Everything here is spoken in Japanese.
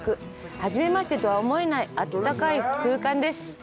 初めましてとは思えないあったかい空間です。